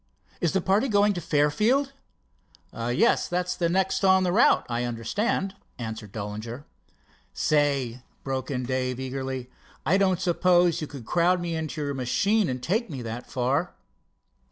"Is the party going to Fairfield?" "Yes, that's next on the route, I understand," answered Dollinger. "Say," broke in Dave eagerly, "I don't suppose you could crowd me into your machine and take me that far?"